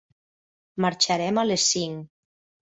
Marxarem a les cinc.